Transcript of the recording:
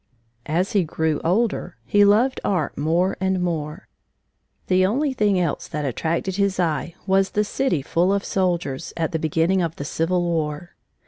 As he grew older, he loved art more and more. The only thing else that attracted his eye was the city full of soldiers, at the beginning of the Civil War.